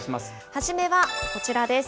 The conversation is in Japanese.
初めはこちらです。